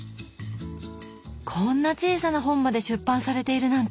こんな小さな本まで出版されているなんて！